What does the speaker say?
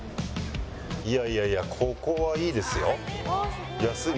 いやいやいやここはいいですよ。